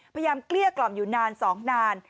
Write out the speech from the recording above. พยายามเกลี้ยกล่องอยู่นาน๒นาน